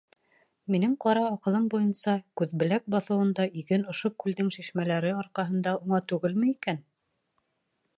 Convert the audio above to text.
Минең ҡара аҡылым буйынса, Күҙбеләк баҫыуында иген ошо күлдең шишмәләре арҡаһында уңа түгелме икән?..